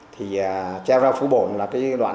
thì cheo ra phú bổ là cái đoạn